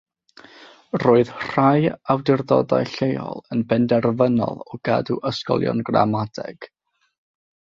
Roedd rhai awdurdodau lleol yn benderfynol o gadw ysgolion gramadeg.